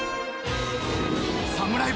サムライ